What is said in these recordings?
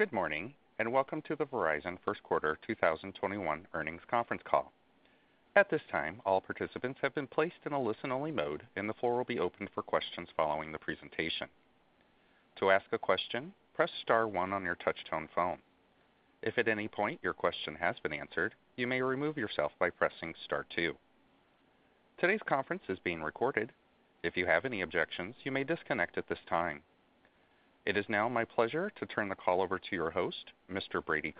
Good morning, and welcome to the Verizon first quarter 2021 earnings conference call. At this time, all participants have been placed in a listen-only mode, and the floor will be open for questions following the presentation. To ask a question, press star one on your touch-tone phone. If at any point your question has been answered, you may remove yourself by pressing star two. Today's conference is being recorded. If you have any objections, you may disconnect at this time. It is now my pleasure to turn the call over to your host, Mr. Brady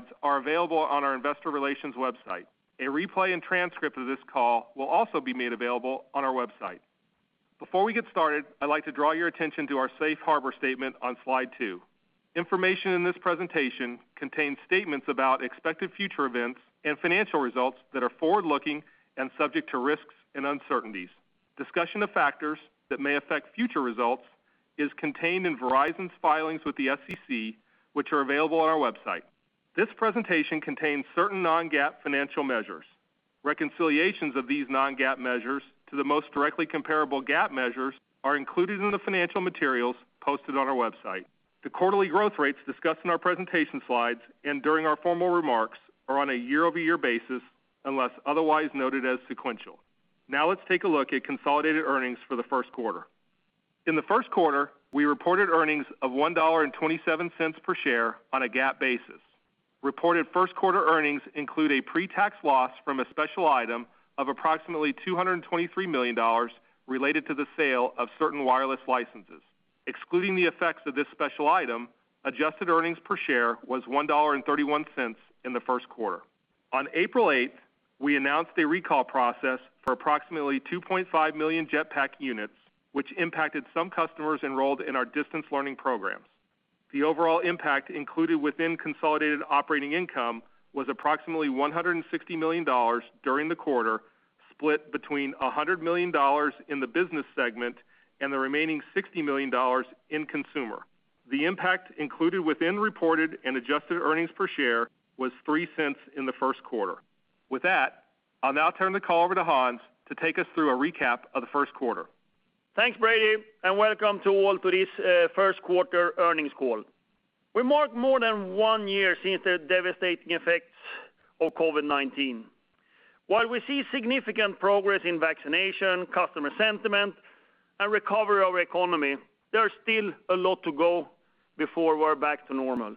Connor. Are available on our investor relations website. A replay and transcript of this call will also be made available on our website. Before we get started, I'd like to draw your attention to our safe harbor statement on slide two. Information in this presentation contains statements about expected future events and financial results that are forward-looking and subject to risks and uncertainties. Discussion of factors that may affect future results is contained in Verizon's filings with the SEC, which are available on our website. This presentation contains certain non-GAAP financial measures. Reconciliations of these non-GAAP measures to the most directly comparable GAAP measures are included in the financial materials posted on our website. The quarterly growth rates discussed in our presentation slides and during our formal remarks are on a year-over-year basis, unless otherwise noted as sequential. Let's take a look at consolidated earnings for the first quarter. In the first quarter, we reported earnings of $1.27 per share on a GAAP basis. Reported first quarter earnings include a pre-tax loss from a special item of approximately $223 million related to the sale of certain wireless licenses. Excluding the effects of this special item, adjusted earnings per share was $1.31 in the first quarter. On April 8th, we announced a recall process for approximately 2.5 million Jetpack units, which impacted some customers enrolled in our distance learning programs. The overall impact included within consolidated operating income was approximately $160 million during the quarter, split between $100 million in the business segment and the remaining $60 million in consumer. The impact included within reported and adjusted earnings per share was $0.03 in the first quarter. With that, I'll now turn the call over to Hans to take us through a recap of the first quarter. Thanks, Brady, welcome to all to this first quarter earnings call. We mark more than one year since the devastating effects of COVID-19. While we see significant progress in vaccination, customer sentiment, and recovery of our economy, there is still a lot to go before we're back to normal.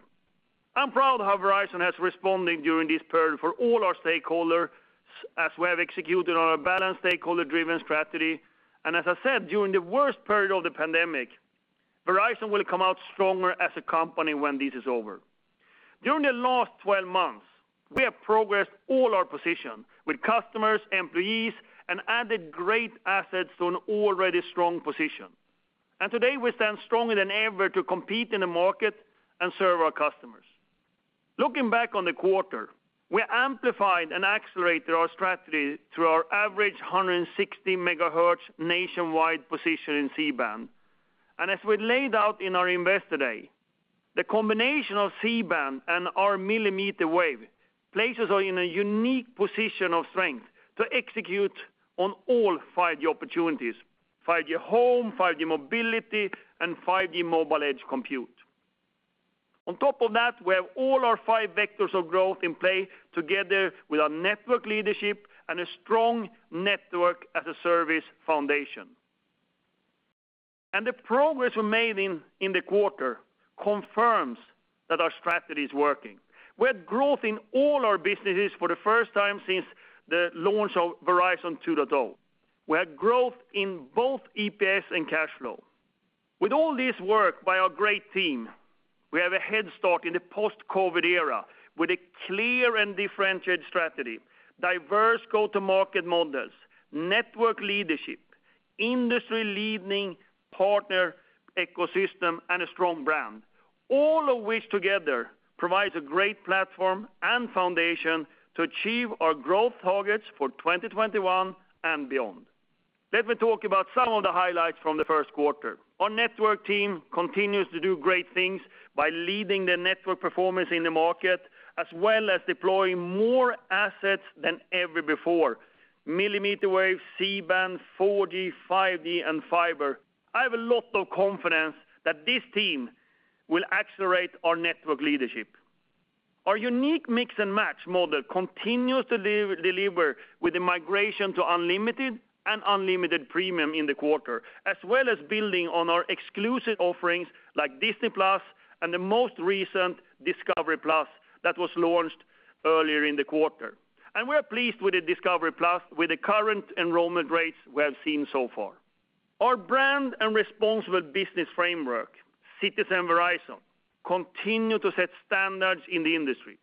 I'm proud of how Verizon has responded during this period for all our stakeholders as we have executed on our balanced stakeholder-driven strategy. As I said, during the worst period of the pandemic, Verizon will come out stronger as a company when this is over. During the last 12 months, we have progressed all our positions with customers, employees, and added great assets to an already strong position. Today, we stand stronger than ever to compete in the market and serve our customers. Looking back on the quarter, we amplified and accelerated our strategy through our average 160 MHz nationwide position in C-band. As we laid out in our Investor Day, the combination of C-band and our millimeter wave places us in a unique position of strength to execute on all 5G opportunities, 5G Home, 5G mobility, and 5G mobile edge compute. On top of that, we have all our five vectors of growth in play together with our network leadership and a strong network-as-a-service foundation. The progress we made in the quarter confirms that our strategy is working. We had growth in all our businesses for the first time since the launch of Verizon 2.0. We had growth in both EPS and cash flow. With all this work by our great team, we have a head start in the post-COVID era with a clear and differentiated strategy, diverse go-to-market models, network leadership, industry-leading partner ecosystem, and a strong brand, all of which together provides a great platform and foundation to achieve our growth targets for 2021 and beyond. Let me talk about some of the highlights from the first quarter. Our network team continues to do great things by leading the network performance in the market, as well as deploying more assets than ever before, millimeter wave, C-band, 4G, 5G, and fiber. I have a lot of confidence that this team will accelerate our network leadership. Our unique Mix and Match model continues to deliver with the migration to unlimited and unlimited premium in the quarter, as well as building on our exclusive offerings like Disney+ and the most recent Discovery+ that was launched earlier in the quarter. We're pleased with the Discovery+ with the current enrollment rates we have seen so far. Our brand and responsible business framework, Citizen Verizon, continue to set standards in the industry.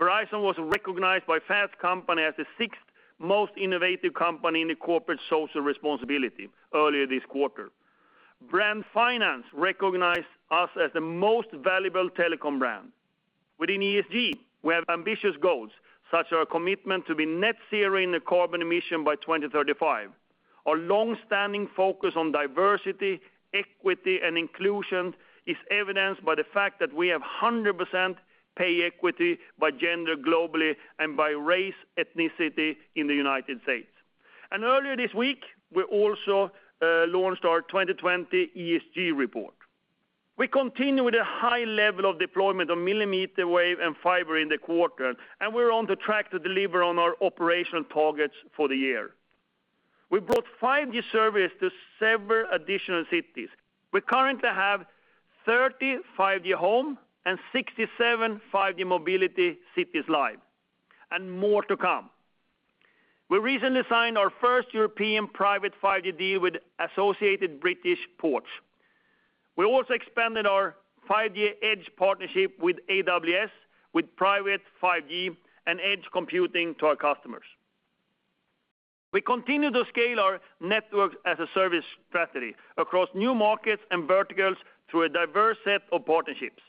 Verizon was recognized by Fast Company as the sixth most innovative company in the corporate social responsibility earlier this quarter. Brand Finance recognized us as the most valuable telecom brand. Within ESG, we have ambitious goals, such as our commitment to be net zero in the carbon emission by 2035. Our longstanding focus on diversity, equity, and inclusion is evidenced by the fact that we have 100% pay equity by gender globally and by race, ethnicity in the U.S. Earlier this week, we also launched our 2020 ESG report. We continue with a high level of deployment on millimeter wave and fiber in the quarter, and we're on the track to deliver on our operational targets for the year. We brought 5G service to several additional cities. We currently have 30 5G Home, and 67 5G Mobility cities live, and more to come. We recently signed our first European private 5G deal with Associated British Ports. We also expanded our 5G Edge partnership with AWS with private 5G and Edge computing to our customers. We continue to scale our network as a service strategy across new markets and verticals through a diverse set of partnerships.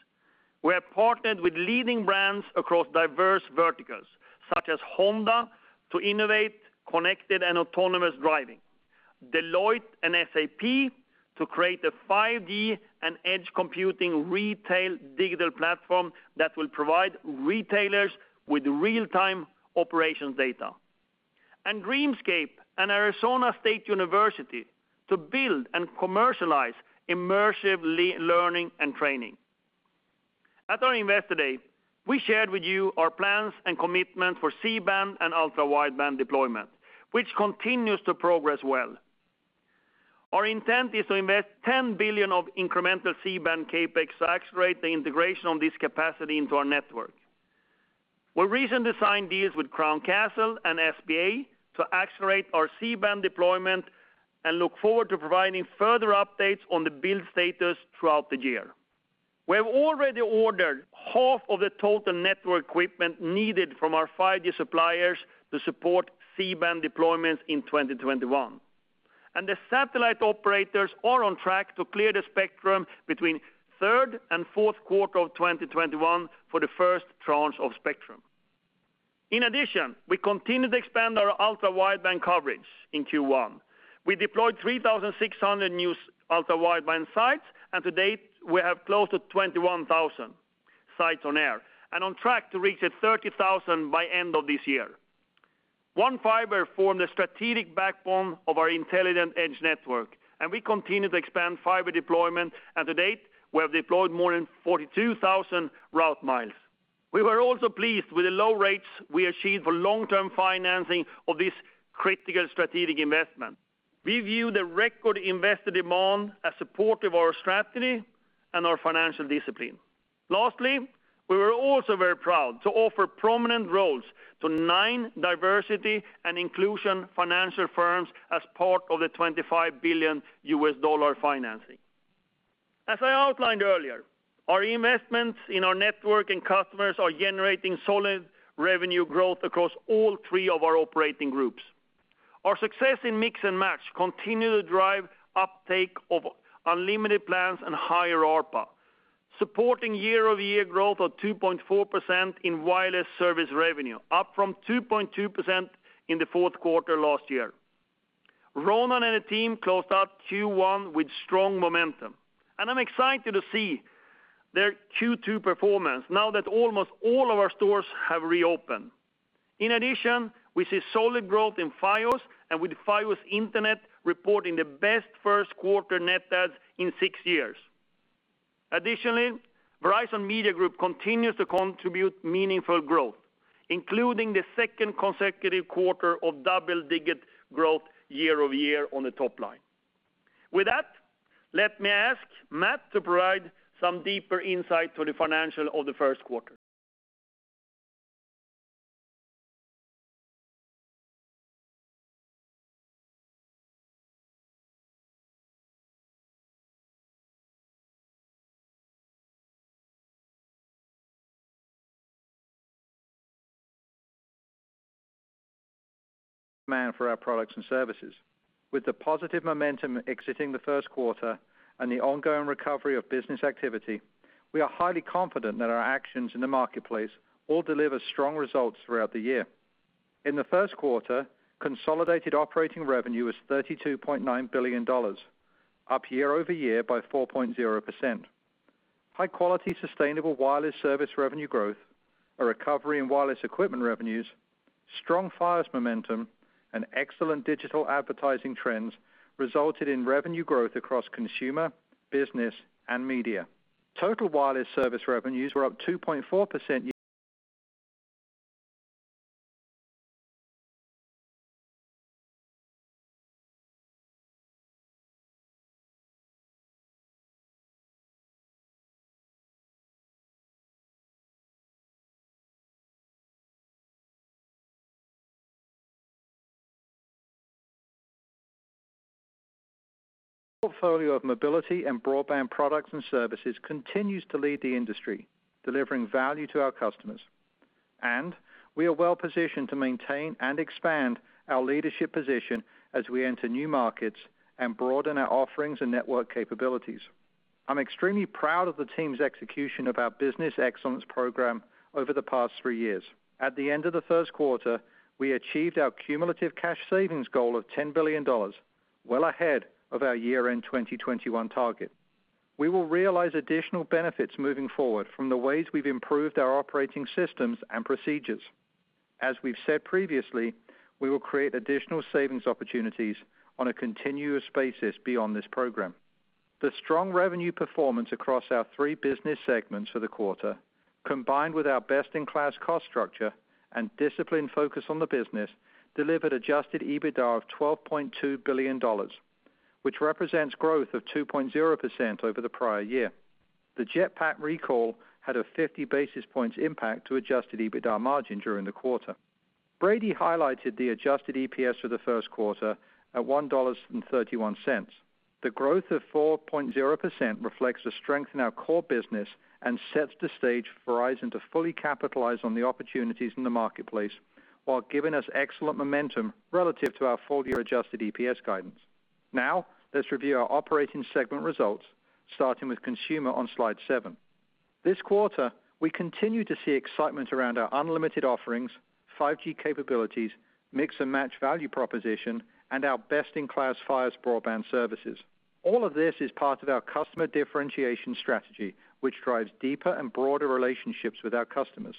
We are partnered with leading brands across diverse verticals, such as Honda to innovate connected and autonomous driving. Deloitte and SAP to create a 5G and edge computing retail digital platform that will provide retailers with real-time operations data. Dreamscape and Arizona State University to build and commercialize immersive learning and training. At our Investor Day, we shared with you our plans and commitment for C-band and Ultra Wideband deployment, which continues to progress well. Our intent is to invest $10 billion of incremental C-band CapEx to accelerate the integration of this capacity into our network. We recently signed deals with Crown Castle and SBA to accelerate our C-band deployment and look forward to providing further updates on the build status throughout the year. We have already ordered half of the total network equipment needed from our 5G suppliers to support C-band deployments in 2021, and the satellite operators are on track to clear the spectrum between third and fourth quarter of 2021 for the first tranche of spectrum. In addition, we continued to expand our Ultra Wideband coverage in Q1. We deployed 3,600 new Ultra Wideband sites. To date, we have close to 21,000 sites on air and on track to reach at 30,000 by end of this year. One Fiber formed a strategic backbone of our Intelligent Edge Network. We continue to expand fiber deployment. To date, we have deployed more than 42,000 route miles. We were also pleased with the low rates we achieved for long-term financing of this critical strategic investment. We view the record investor demand as supportive of our strategy and our financial discipline. Lastly, we were also very proud to offer prominent roles to nine diversity and inclusion financial firms as part of the $25 billion U.S. dollar financing. As I outlined earlier, our investments in our network and customers are generating solid revenue growth across all three of our operating groups. Our success in Mix and Match continue to drive uptake of unlimited plans and higher ARPA, supporting year-over-year growth of 2.4% in wireless service revenue, up from 2.2% in the fourth quarter last year. Ronan and the team closed out Q1 with strong momentum, and I'm excited to see their Q2 performance now that almost all of our stores have reopened. In addition, we see solid growth in Fios, and with Fios Internet reporting the best first quarter net adds in six years. Additionally, Verizon Media Group continues to contribute meaningful growth, including the second consecutive quarter of double-digit growth year-over-year on the top line. With that, let me ask Matt to provide some deeper insight to the financial of the first quarter. Demand for our products and services. With the positive momentum exiting the first quarter and the ongoing recovery of business activity, we are highly confident that our actions in the marketplace will deliver strong results throughout the year. In the first quarter, consolidated operating revenue was $32.9 billion, up year-over-year by 4.0%. High-quality, sustainable wireless service revenue growth, a recovery in wireless equipment revenues, strong Fios momentum, and excellent digital advertising trends resulted in revenue growth across consumer, business, and media. Total wireless service revenues were up 2.4% year. Our portfolio of mobility and broadband products and services continues to lead the industry, delivering value to our customers. We are well positioned to maintain and expand our leadership position as we enter new markets and broaden our offerings and network capabilities. I'm extremely proud of the team's execution of our business excellence program over the past three years. At the end of the first quarter, we achieved our cumulative cash savings goal of $10 billion, well ahead of our year-end 2021 target. We will realize additional benefits moving forward from the ways we've improved our operating systems and procedures. As we've said previously, we will create additional savings opportunities on a continuous basis beyond this program. The strong revenue performance across our three business segments for the quarter, combined with our best-in-class cost structure and disciplined focus on the business, delivered adjusted EBITDA of $12.2 billion, which represents growth of 2.0% over the prior year. The Jetpack recall had a 50 basis points impact to adjusted EBITDA margin during the quarter. Brady highlighted the adjusted EPS for the first quarter at $1.31. The growth of 4.0% reflects the strength in our core business and sets the stage for Verizon to fully capitalize on the opportunities in the marketplace while giving us excellent momentum relative to our full-year adjusted EPS guidance. Now, let's review our operating segment results, starting with consumer on slide seven. This quarter, we continue to see excitement around our unlimited offerings, 5G capabilities, Mix and Match value proposition, and our best-in-class Fios broadband services. All of this is part of our customer differentiation strategy, which drives deeper and broader relationships with our customers.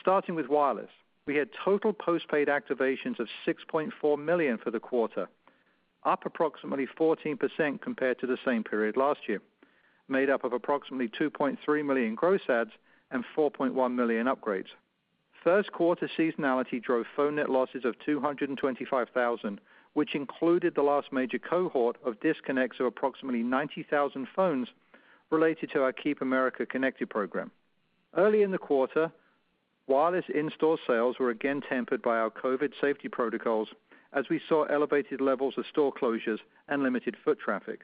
Starting with wireless, we had total postpaid activations of 6.4 million for the quarter, up approximately 14% compared to the same period last year, made up of approximately 2.3 million gross adds and 4.1 million upgrades. First quarter seasonality drove phone net losses of 225,000, which included the last major cohort of disconnects of approximately 90,000 phones related to our Keep America Connected program. Early in the quarter, wireless in-store sales were again tempered by our COVID safety protocols as we saw elevated levels of store closures and limited foot traffic.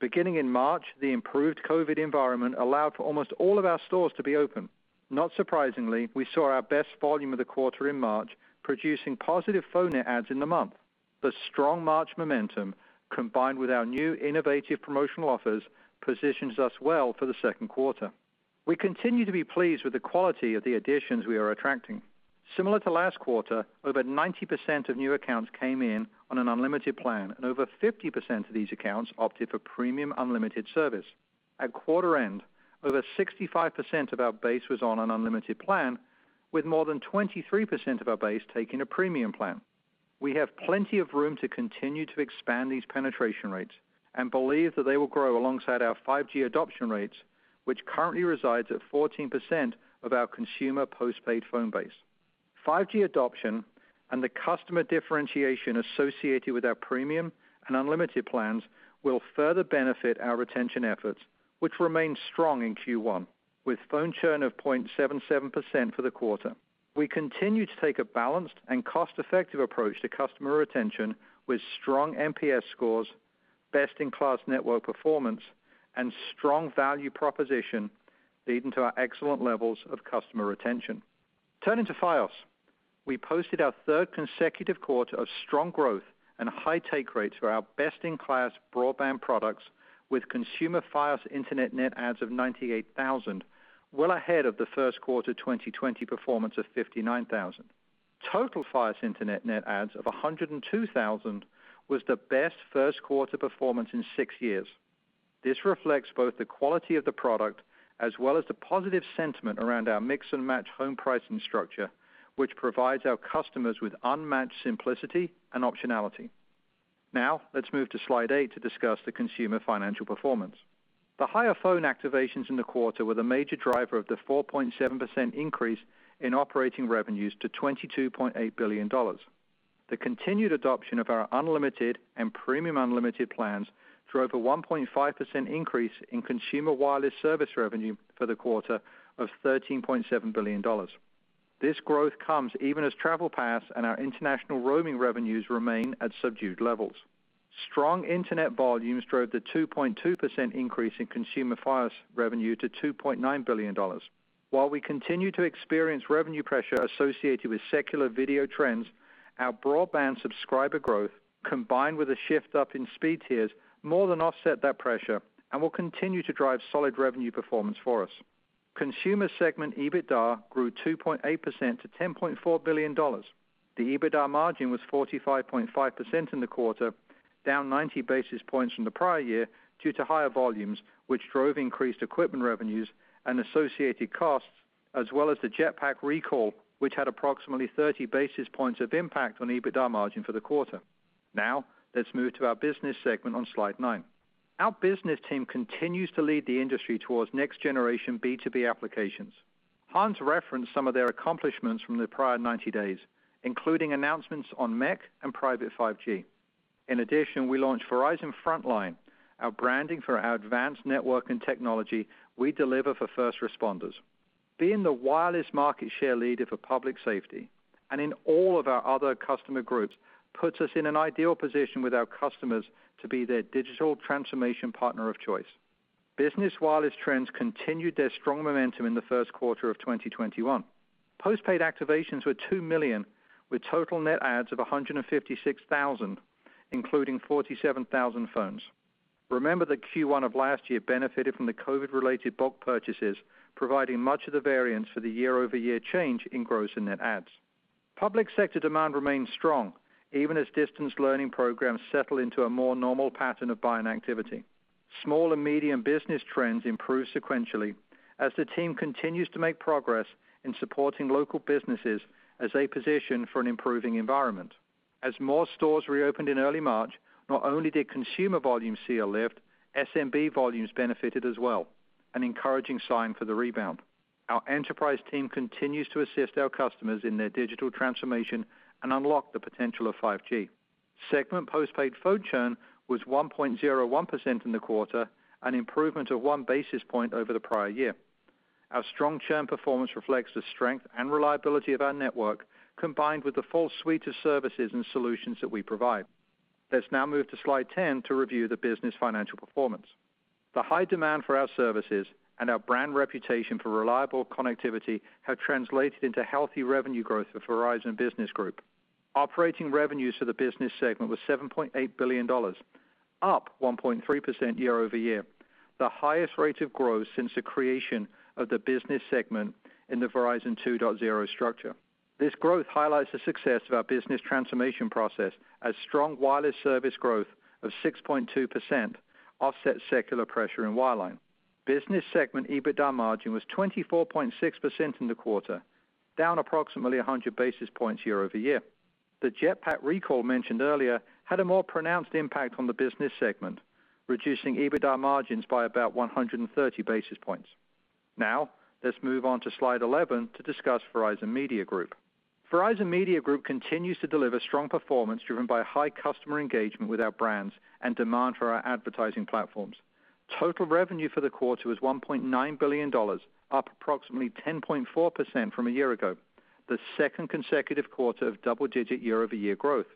Beginning in March, the improved COVID environment allowed for almost all of our stores to be open. Not surprisingly, we saw our best volume of the quarter in March, producing positive phone net adds in the month. The strong March momentum, combined with our new innovative promotional offers, positions us well for the second quarter. We continue to be pleased with the quality of the additions we are attracting. Similar to last quarter, over 90% of new accounts came in on an unlimited plan, and over 50% of these accounts opted for premium unlimited service. At quarter end, over 65% of our base was on an unlimited plan, with more than 23% of our base taking a premium plan. We have plenty of room to continue to expand these penetration rates and believe that they will grow alongside our 5G adoption rates, which currently resides at 14% of our consumer postpaid phone base. 5G adoption and the customer differentiation associated with our premium and unlimited plans will further benefit our retention efforts, which remain strong in Q1, with phone churn of 0.77% for the quarter. We continue to take a balanced and cost-effective approach to customer retention, with strong NPS scores, best-in-class network performance, and strong value proposition leading to our excellent levels of customer retention. Turning to Fios, we posted our third consecutive quarter of strong growth and high take rates for our best-in-class broadband products, with consumer Fios Internet net adds of 98,000, well ahead of the first quarter 2020 performance of 59,000. Total Fios Internet net adds of 102,000 was the best first quarter performance in six years. This reflects both the quality of the product as well as the positive sentiment around our Mix and Match home pricing structure, which provides our customers with unmatched simplicity and optionality. Let's move to slide eight to discuss the consumer financial performance. The higher phone activations in the quarter were the major driver of the 4.7% increase in operating revenues to $22.8 billion. The continued adoption of our unlimited and premium unlimited plans drove a 1.5% increase in consumer wireless service revenue for the quarter of $13.7 billion. This growth comes even as TravelPass and our international roaming revenues remain at subdued levels. Strong internet volumes drove the 2.2% increase in consumer Fios revenue to $2.9 billion. While we continue to experience revenue pressure associated with secular video trends, our broadband subscriber growth, combined with a shift up in speed tiers, more than offset that pressure and will continue to drive solid revenue performance for us. Consumer segment EBITDA grew 2.8% to $10.4 billion. The EBITDA margin was 45.5% in the quarter, down 90 basis points from the prior year due to higher volumes, which drove increased equipment revenues and associated costs, as well as the Jetpack recall, which had approximately 30 basis points of impact on EBITDA margin for the quarter. Now, let's move to our business segment on slide nine. Our business team continues to lead the industry towards next-generation B2B applications. Hans referenced some of their accomplishments from the prior 90 days, including announcements on MEC and Private 5G. In addition, we launched Verizon Frontline, our branding for our advanced network and technology we deliver for first responders. Being the wireless market share leader for public safety and in all of our other customer groups puts us in an ideal position with our customers to be their digital transformation partner of choice. Business wireless trends continued their strong momentum in the first quarter of 2021. Postpaid activations were two million, with total net adds of 156,000, including 47,000 phones. Remember that Q1 of last year benefited from the COVID-related bulk purchases, providing much of the variance for the year-over-year change in gross and net adds. Public sector demand remains strong, even as distance learning programs settle into a more normal pattern of buying activity. Small and medium business trends improve sequentially as the team continues to make progress in supporting local businesses as they position for an improving environment. As more stores reopened in early March, not only did consumer volume see a lift, SMB volumes benefited as well, an encouraging sign for the rebound. Our enterprise team continues to assist our customers in their digital transformation and unlock the potential of 5G. Segment postpaid phone churn was 1.01% in the quarter, an improvement of 1 basis point over the prior year. Our strong churn performance reflects the strength and reliability of our network, combined with the full suite of services and solutions that we provide. Let's now move to slide 10 to review the business financial performance. The high demand for our services and our brand reputation for reliable connectivity have translated into healthy revenue growth for Verizon Business Group. Operating revenues for the business segment was $7.8 billion, up 1.3% year-over-year, the highest rate of growth since the creation of the business segment in the Verizon 2.0 structure. This growth highlights the success of our business transformation process as strong wireless service growth of 6.2% offset secular pressure in wireline. Business segment EBITDA margin was 24.6% in the quarter, down approximately 100 basis points year-over-year. The Jetpack recall mentioned earlier had a more pronounced impact on the business segment, reducing EBITDA margins by about 130 basis points. Now, let's move on to slide 11 to discuss Verizon Media Group. Verizon Media Group continues to deliver strong performance, driven by high customer engagement with our brands and demand for our advertising platforms. Total revenue for the quarter was $1.9 billion, up approximately 10.4% from a year ago, the second consecutive quarter of double-digit year-over-year growth.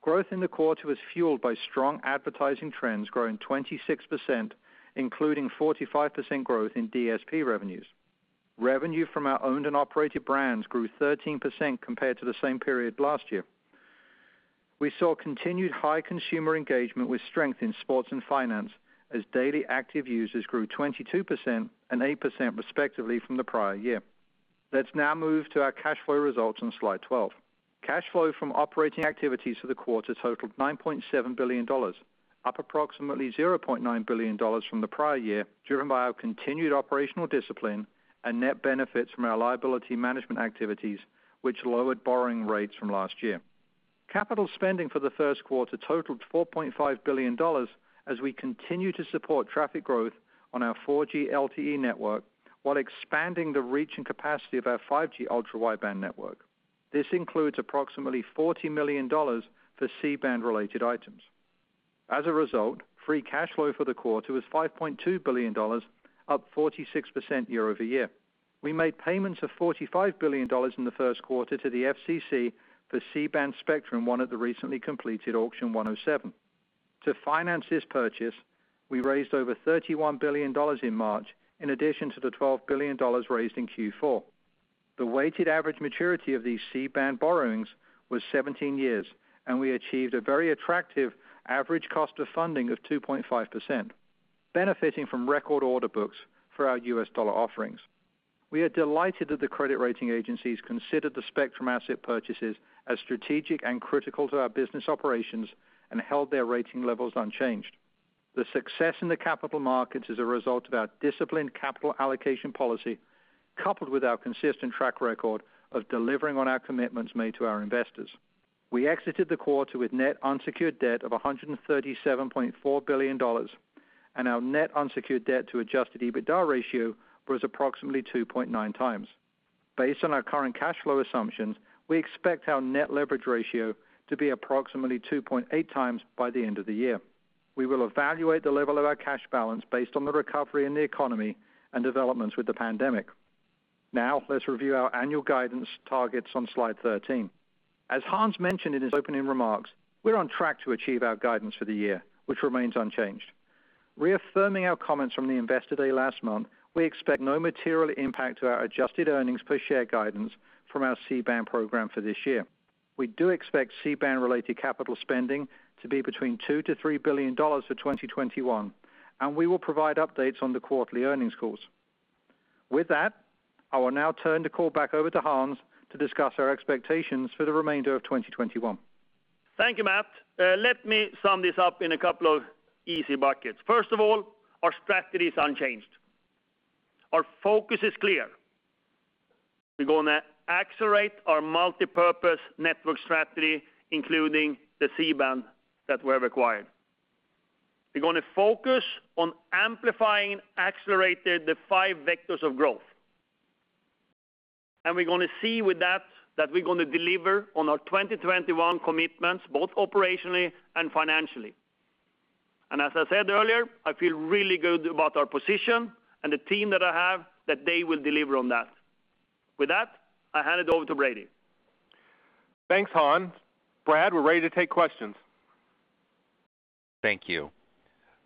Growth in the quarter was fueled by strong advertising trends growing 26%, including 45% growth in DSP revenues. Revenue from our owned and operated brands grew 13% compared to the same period last year. We saw continued high consumer engagement with strength in sports and finance as daily active users grew 22% and 8% respectively from the prior year. Let's now move to our cash flow results on slide 12. Cash flow from operating activities for the quarter totaled $9.7 billion, up approximately $0.9 billion from the prior year, driven by our continued operational discipline and net benefits from our liability management activities, which lowered borrowing rates from last year. Capital spending for the first quarter totaled $4.5 billion, as we continue to support traffic growth on our 4G LTE network while expanding the reach and capacity of our 5G Ultra Wideband network. This includes approximately $40 million for C-band related items. As a result, free cash flow for the quarter was $5.2 billion, up 46% year-over-year. We made payments of $45 billion in the first quarter to the FCC for C-band spectrum won at the recently completed Auction 107. To finance this purchase, we raised over $31 billion in March, in addition to the $12 billion raised in Q4. The weighted average maturity of these C-band borrowings was 17 years, and we achieved a very attractive average cost of funding of 2.5%, benefiting from record order books for our U.S. dollar offerings. We are delighted that the credit rating agencies considered the spectrum asset purchases as strategic and critical to our business operations and held their rating levels unchanged. The success in the capital markets is a result of our disciplined capital allocation policy, coupled with our consistent track record of delivering on our commitments made to our investors. We exited the quarter with net unsecured debt of $137.4 billion, and our net unsecured debt to adjusted EBITDA ratio was approximately 2.9x. Based on our current cash flow assumptions, we expect our net leverage ratio to be approximately 2.8x by the end of the year. We will evaluate the level of our cash balance based on the recovery in the economy and developments with the pandemic. Now, let's review our annual guidance targets on slide 13. As Hans mentioned in his opening remarks, we're on track to achieve our guidance for the year, which remains unchanged. Reaffirming our comments from the Investor Day last month, we expect no material impact to our adjusted earnings per share guidance from our C-band program for this year. We do expect C-band related capital spending to be between $2 billion-$3 billion for 2021. We will provide updates on the quarterly earnings calls. With that, I will now turn the call back over to Hans to discuss our expectations for the remainder of 2021. Thank you, Matt. Let me sum this up in a couple of easy buckets. First of all, our strategy is unchanged. Our focus is clear. We're going to accelerate our multipurpose network strategy, including the C-band that we have acquired. We're going to focus on amplifying, accelerated the five vectors of growth. We're going to see with that we're going to deliver on our 2021 commitments, both operationally and financially. As I said earlier, I feel really good about our position and the team that I have, that they will deliver on that. With that, I hand it over to Brady. Thanks, Hans. Brad, we're ready to take questions. Thank you.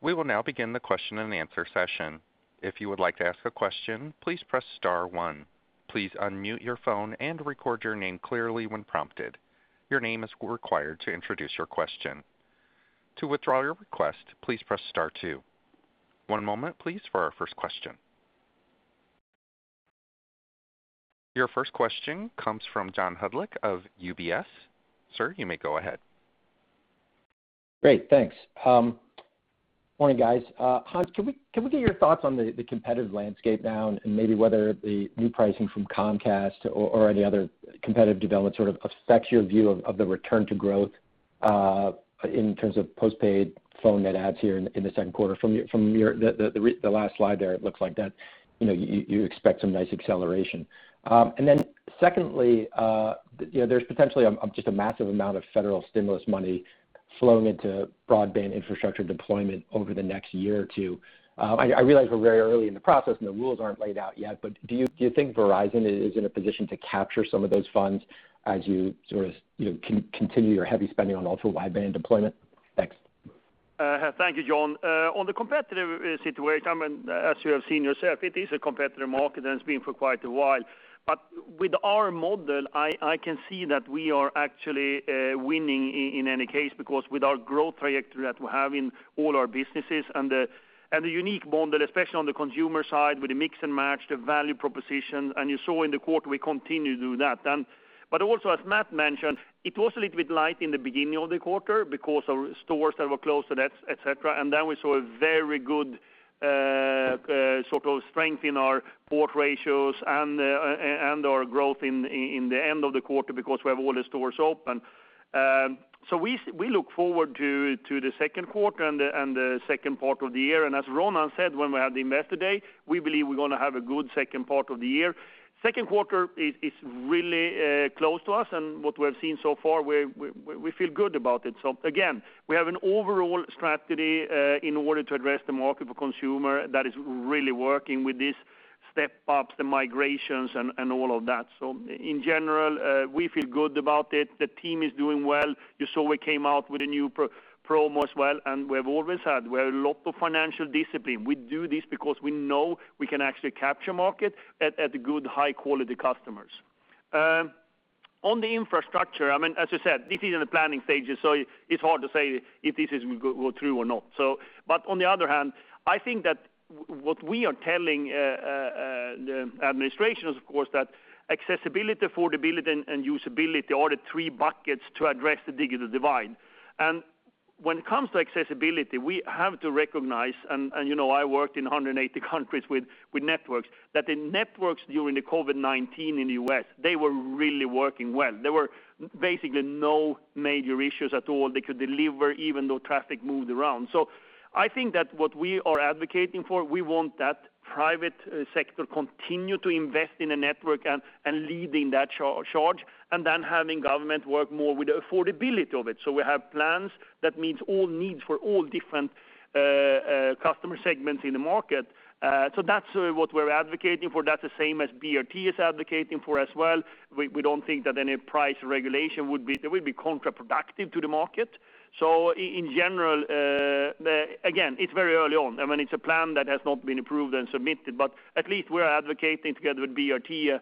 We will now begin the question-and-answer session. If you would like to ask a question, please press star one. Please unmute your phone and record your name clearly when prompted. Your name is required to introduce your question. To withdraw your request, please press star two. One moment, please, for our first question. Your first question comes from John Hodulik of UBS. Sir, you may go ahead. Great, thanks. Morning, guys. Hans, can we get your thoughts on the competitive landscape now, and maybe whether the new pricing from Comcast or any other competitive development sort of affects your view of the return to growth, in terms of postpaid phone net adds here in the second quarter? From the last slide there, it looks like that you expect some nice acceleration. Secondly, there's potentially just a massive amount of federal stimulus money flowing into broadband infrastructure deployment over the next year or two. I realize we're very early in the process and the rules aren't laid out yet, do you think Verizon is in a position to capture some of those funds as you sort of continue your heavy spending on Ultra Wideband deployment? Thanks. Thank you, John. On the competitive situation, as you have seen yourself, it is a competitive market, and it's been for quite a while. With our model, I can see that we are actually winning in any case because with our growth trajectory that we have in all our businesses and the unique model, especially on the consumer side with the Mix and Match, the value proposition, and you saw in the quarter, we continue to do that. Also, as Matt mentioned, it was a little bit light in the beginning of the quarter because of stores that were closed, et cetera, and then we saw a very good sort of strength in our port ratios and our growth in the end of the quarter because we have all the stores open. We look forward to the second quarter and the second part of the year. As Ronan said when we had the Investor Day, we believe we're going to have a good second part of the year. Second quarter is really close to us, and what we have seen so far, we feel good about it. Again, we have an overall strategy in order to address the market for consumer that is really working with this step up, the migrations, and all of that. In general, we feel good about it. The team is doing well. You saw we came out with a new promo as well, and we've always had a lot of financial discipline. We do this because we know we can actually capture market at good, high-quality customers. On the infrastructure, as you said, this is in the planning stages, so it's hard to say if this will go through or not. On the other hand, I think that what we are telling the administration is, of course, that accessibility, affordability, and usability are the three buckets to address the digital divide. When it comes to accessibility, we have to recognize, and you know I worked in 180 countries with networks, that the networks during the COVID-19 in the U.S., they were really working well. There were basically no major issues at all. They could deliver even though traffic moved around. I think that what we are advocating for, we want that private sector continue to invest in a network and lead in that charge, and then having government work more with the affordability of it. We have plans that meets all needs for all different customer segments in the market. That's what we're advocating for. That's the same as BRT is advocating for as well. We don't think that any price regulation would be counterproductive to the market. In general, again, it's very early on. It's a plan that has not been approved and submitted, but at least we're advocating together with BRT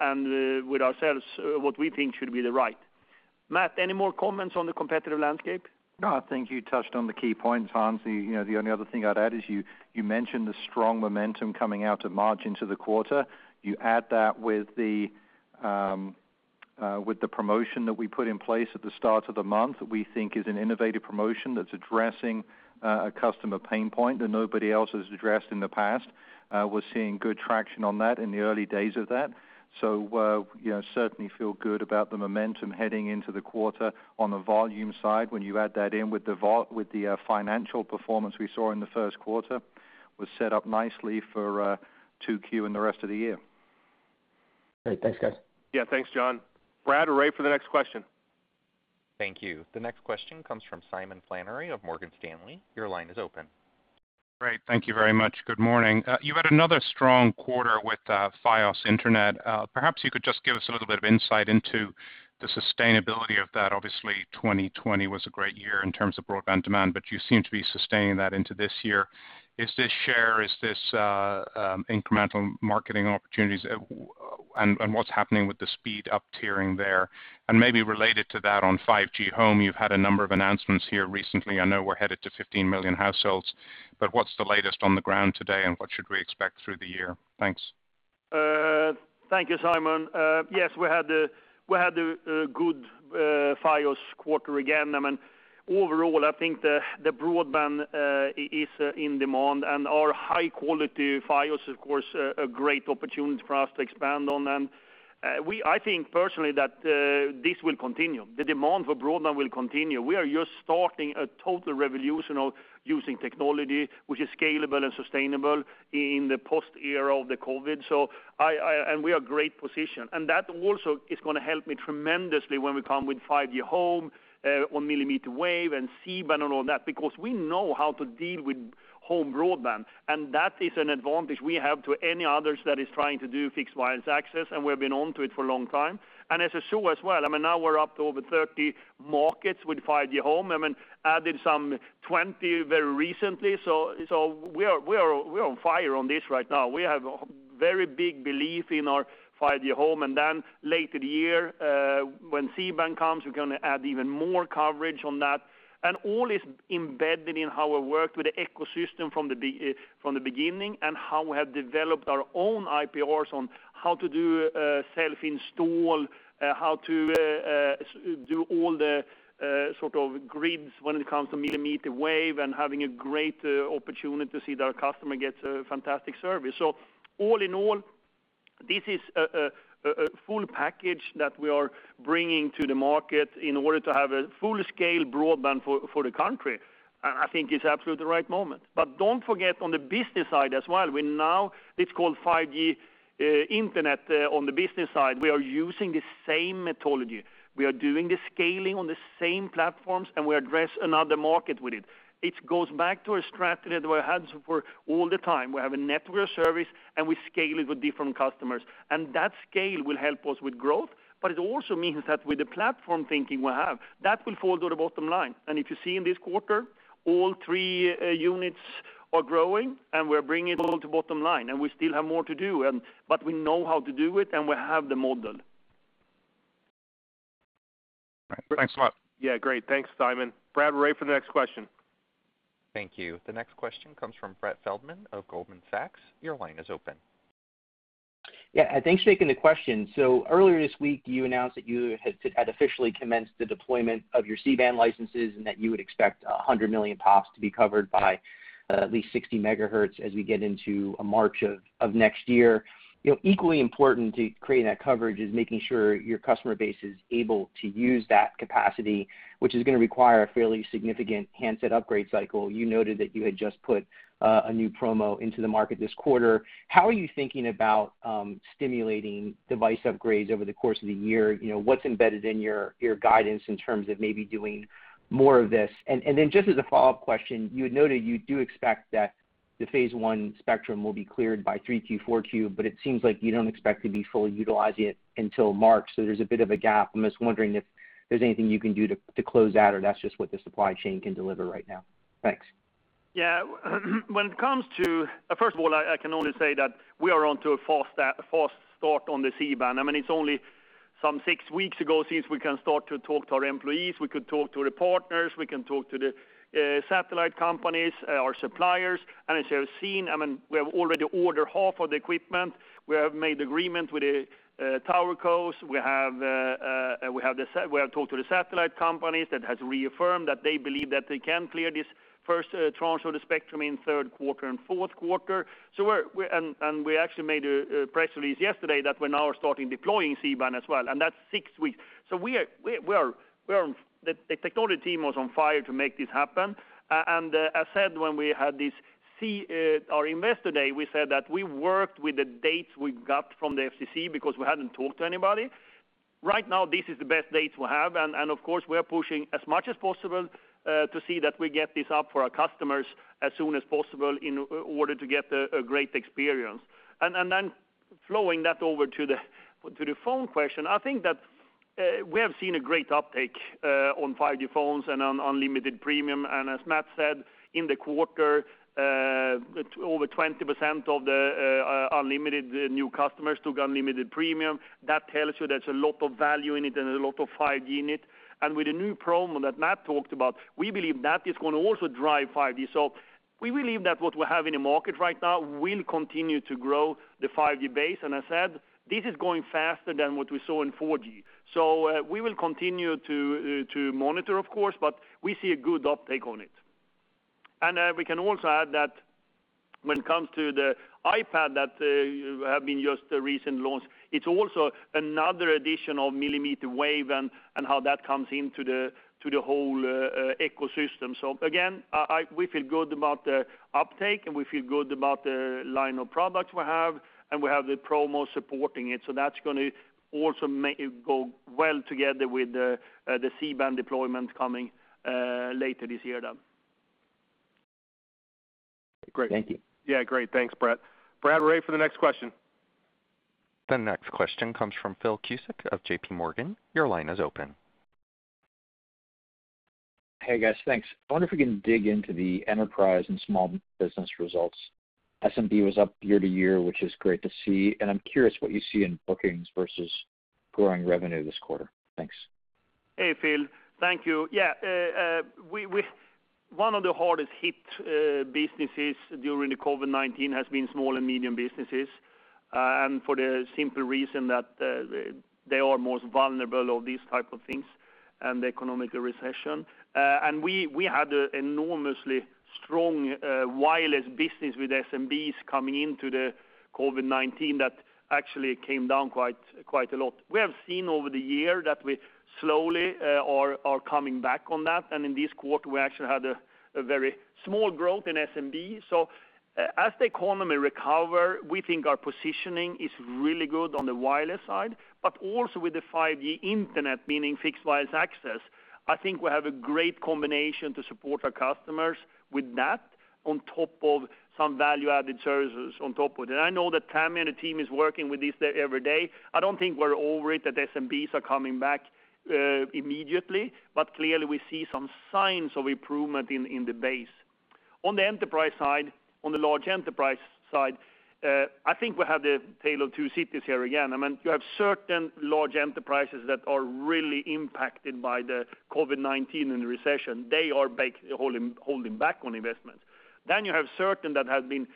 and with ourselves what we think should be the right. Matt, any more comments on the competitive landscape? No, I think you touched on the key points, Hans. The only other thing I'd add is you mentioned the strong momentum coming out of March into the quarter. You add that with the promotion that we put in place at the start of the month, we think is an innovative promotion that's addressing a customer pain point that nobody else has addressed in the past. We're seeing good traction on that in the early days of that. Certainly, feel good about the momentum heading into the quarter on the volume side. When you add that in with the financial performance we saw in the first quarter, we're set up nicely for 2Q and the rest of the year. Great. Thanks, guys. Yeah. Thanks, John. Brad or Ray for the next question. Thank you. The next question comes from Simon Flannery of Morgan Stanley. Your line is open. Great. Thank you very much. Good morning. You've had another strong quarter with Fios Internet. Perhaps you could just give us a little bit of insight into the sustainability of that. Obviously, 2020 was a great year in terms of broadband demand, but you seem to be sustaining that into this year. Is this share, is this incremental marketing opportunities, and what's happening with the speed up-tiering there? Maybe related to that on 5G Home, you've had a number of announcements here recently. I know we're headed to 15 million households, but what's the latest on the ground today, and what should we expect through the year? Thanks. Thank you, Simon. Yes, we had a good Fios quarter again. Overall, I think the broadband is in demand, and our high-quality Fios, of course, a great opportunity for us to expand on them. I think personally that this will continue. The demand for broadband will continue. We are just starting a total revolution of using technology which is scalable and sustainable in the post era of the COVID. We are great position. That also is going to help me tremendously when we come with 5G Home, on millimeter wave and C-band and all that, because we know how to deal with home broadband, and that is an advantage we have to any others that is trying to do fixed wireless access, and we've been onto it for a long time. As I show as well, now we're up to over 30 markets with 5G Home, added some 20 very recently. We are on fire on this right now. We have very big belief in our 5G Home. Later the year, when C-band comes, we're going to add even more coverage on that. All is embedded in how we worked with the ecosystem from the beginning and how we have developed our own IPRs on how to do self-install, how to do all the grids when it comes to millimeter wave and having a great opportunity to see that our customer gets a fantastic service. All in all, this is a full package that we are bringing to the market in order to have a full-scale broadband for the country. I think it's absolutely the right moment. Don't forget on the business side as well, it's called 5G Business Internet. We are using the same methodology. We are doing the scaling on the same platforms. We address another market with it. It goes back to a strategy that we had for all the time. We have a network service. We scale it with different customers. That scale will help us with growth, but it also means that with the platform thinking we have, that will fall to the bottom line. If you see in this quarter, all three units are growing. We're bringing it all to bottom line. We still have more to do. We know how to do it. We have the model. Thanks a lot. Great. Thanks, Simon. Brad, we're ready for the next question. Thank you. The next question comes from Brett Feldman of Goldman Sachs. Your line is open. Yeah. Thanks for taking the question. Earlier this week, you announced that you had officially commenced the deployment of your C-band licenses and that you would expect 100 million pops to be covered by at least 60 MHz as we get into March of next year. Equally important to creating that coverage is making sure your customer base is able to use that capacity, which is going to require a fairly significant handset upgrade cycle. You noted that you had just put a new promo into the market this quarter. How are you thinking about stimulating device upgrades over the course of the year? What's embedded in your guidance in terms of maybe doing more of this? Just as a follow-up question, you had noted you do expect that the phase I spectrum will be cleared by 3Q, 4Q. It seems like you don't expect to be fully utilizing it until March. There's a bit of a gap. I'm just wondering if there's anything you can do to close that, or that's just what the supply chain can deliver right now. Thanks. Yeah. First of all, I can only say that we are onto a fast start on the C-band. It's only some six weeks ago since we can start to talk to our employees. We could talk to the partners. We can talk to the satellite companies, our suppliers. As you have seen, we have already ordered half of the equipment. We have made agreement with the tower cos. We have talked to the satellite companies that has reaffirmed that they believe that they can clear this first tranche of the spectrum in third quarter and fourth quarter. We actually made a press release yesterday that we're now starting deploying C-band as well, and that's six weeks. The technology team was on fire to make this happen, and as said, when we had our Investor Day, we said that we worked with the dates we got from the FCC because we hadn't talked to anybody. Right now, this is the best date we have. Of course, we are pushing as much as possible to see that we get this up for our customers as soon as possible in order to get a great experience. Flowing that over to the phone question, I think that we have seen a great uptake on 5G phones and on unlimited premium. As Matt said, in the quarter, over 20% of the unlimited new customers took unlimited premium. That tells you there's a lot of value in it and a lot of 5G in it. With the new promo that Matt talked about, we believe that is going to also drive 5G. We believe that what we have in the market right now will continue to grow the 5G base. As said, this is going faster than what we saw in 4G. We will continue to monitor, of course, but we see a good uptake on it. We can also add that when it comes to the iPad that have been just recent launched, it's also another addition of millimeter wave and how that comes into the whole ecosystem. Again, we feel good about the uptake, and we feel good about the line of products we have, and we have the promo supporting it. That's going to also go well together with the C-band deployment coming later this year then. Great. Thank you. Yeah. Great. Thanks, Brett. Brad, we're ready for the next question. The next question comes from Phil Cusick of JPMorgan. Your line is open. Hey, guys. Thanks. I wonder if we can dig into the enterprise and small business results. SMB was up year-to-year, which is great to see, and I'm curious what you see in bookings versus growing revenue this quarter. Thanks. Hey, Phil. Thank you. One of the hardest hit businesses during the COVID-19 has been small and medium businesses, for the simple reason that they are most vulnerable of these types of things and the economic recession. We had an enormously strong wireless business with SMBs coming into the COVID-19 that actually came down quite a lot. We have seen over the year that we slowly are coming back on that. In this quarter, we actually had a very small growth in SMB. As the economy recover, we think our positioning is really good on the wireless side, but also with the 5G Business Internet, meaning fixed wireless access. I think we have a great combination to support our customers with that on top of some value-added services on top of it. I know that Tami and the team is working with this every day. I don't think we're over it, that SMBs are coming back immediately. Clearly, we see some signs of improvement in the base. On the enterprise side, on the large enterprise side, I think we have the tale of two cities here again. You have certain large enterprises that are really impacted by the COVID-19 and the recession. They are holding back on investment. You have certain that have been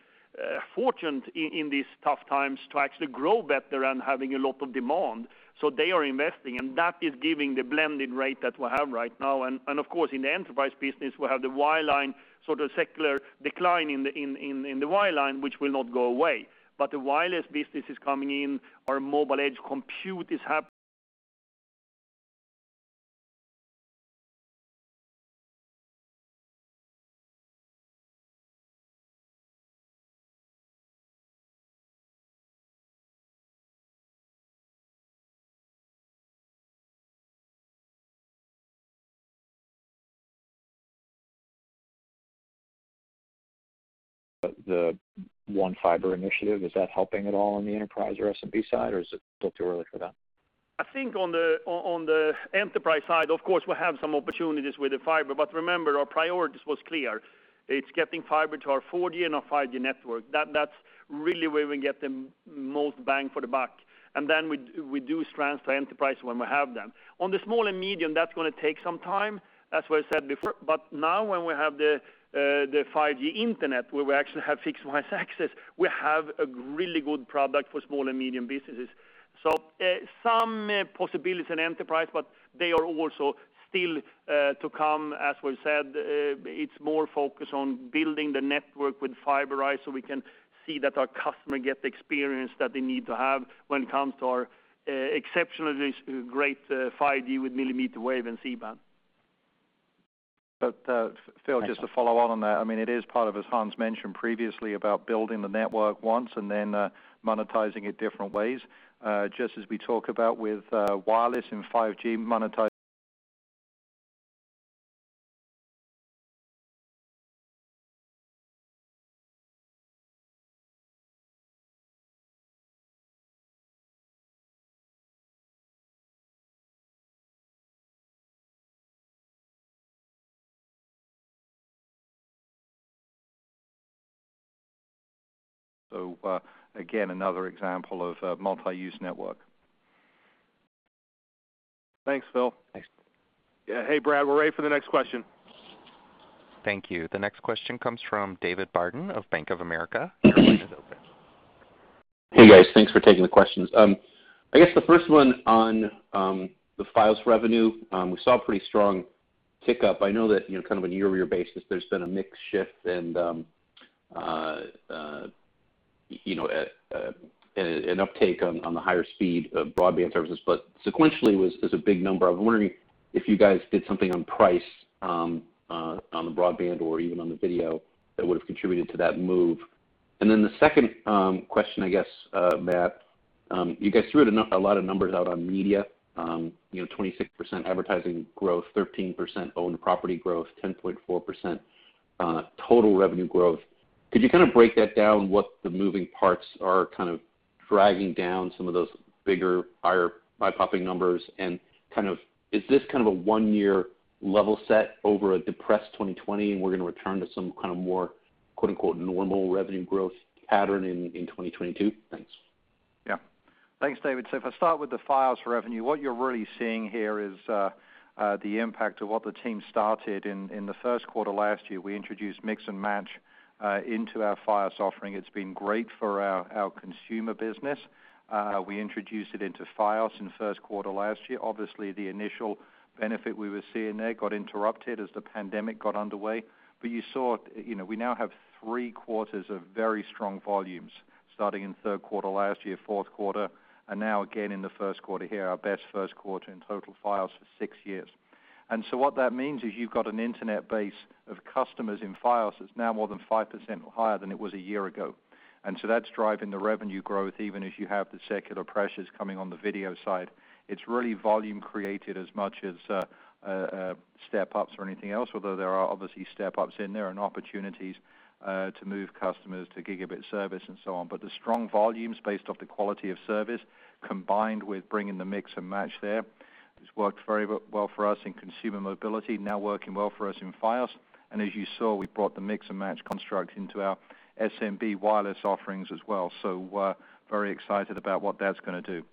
fortunate in these tough times to actually grow better and having a lot of demand. They are investing, and that is giving the blended rate that we have right now. Of course, in the enterprise business, we have the wireline sort of secular decline in the wireline, which will not go away. The wireless business is coming in. Our mobile edge compute is happening. The One Fiber initiative, is that helping at all on the enterprise or SMB side, or is it still too early for that? I think on the enterprise side, of course, we have some opportunities with the fiber. Remember, our priorities was clear. It's getting fiber to our 4G and our 5G network. That's really where we get the most bang for the buck. Then we do strands to enterprise when we have them. On the small and medium, that's going to take some time, as was said before. Now when we have the 5G Business Internet, where we actually have fixed wireless access, we have a really good product for small and medium businesses. Some possibilities in enterprise. They are also still to come. As we said, it's more focused on building the network with fiber, right? We can see that our customer get the experience that they need to have when it comes to our exceptionally great 5G with millimeter wave and C-band. Phil, just to follow on that, it is part of, as Hans mentioned previously, about building the network once and then monetizing it different ways. Just as we talk about with wireless and 5G monetizing. Again, another example of a multi-use network. Thanks, Phil. Thanks. Yeah. Hey, Brad, we're ready for the next question. Thank you. The next question comes from David Barden of Bank of America. Your line is open. Hey, guys. Thanks for taking the questions. I guess the first one on the Fios revenue, we saw a pretty strong tick up. I know that kind of on a year-over-year basis, there's been a mix shift and an uptake on the higher speed of broadband services. Sequentially, it was a big number. I'm wondering if you guys did something on price on the broadband or even on the video that would have contributed to that move. The second question, I guess, Matt, you guys threw a lot of numbers out on media. 26% advertising growth, 13% owned property growth, 10.4% total revenue growth. Could you kind of break that down, what the moving parts are kind of dragging down some of those bigger, higher eye-popping numbers? Is this kind of a one-year level set over a depressed 2020, and we're going to return to some kind of more "normal" revenue growth pattern in 2022? Thanks. Thanks, David. If I start with the Fios revenue, what you're really seeing here is the impact of what the team started in the first quarter last year. We introduced Mix and Match into our Fios offering. It's been great for our consumer business. We introduced it into Fios in the first quarter last year. Obviously, the initial benefit we were seeing there got interrupted as the pandemic got underway. You saw we now have three quarters of very strong volumes starting in third quarter last year, fourth quarter, and now again in the first quarter here, our best first quarter in total Fios for six years. What that means is you've got an internet base of customers in Fios that's now more than 5% higher than it was a year ago. That's driving the revenue growth even as you have the secular pressures coming on the video side. It's really volume created as much as step-ups or anything else, although there are obviously step-ups in there and opportunities to move customers to gigabit service and so on. The strong volumes based off the quality of service, combined with bringing the Mix and Match there, has worked very well for us in consumer mobility, now working well for us in Fios. As you saw, we brought the Mix and Match construct into our SMB wireless offerings as well. Very excited about what that's going to do.